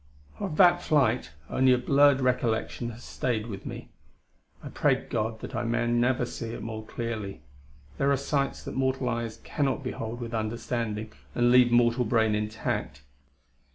Of that flight, only a blurred recollection has stayed with me. I pray God that I may never see it more clearly. There are sights that mortal eyes cannot behold with understanding and leave mortal brain intact.